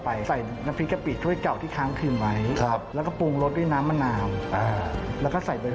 แล้วของเราดังเนพ